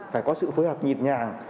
phải có sự phối hợp nhịp nhàng